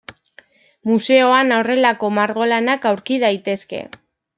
Museoan horrelako margolanak aurki daitezke.